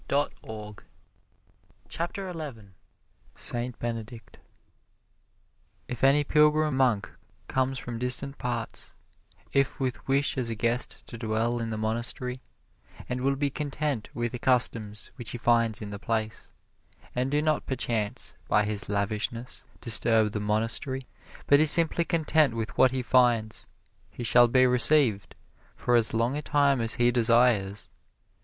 [Illustration: SAINT BENEDICT] SAINT BENEDICT If any pilgrim monk come from distant parts, if with wish as a guest to dwell in the monastery, and will be content with the customs which he finds in the place, and do not perchance by his lavishness disturb the monastery, but is simply content with what he finds: he shall be received, for as long a time as he desires.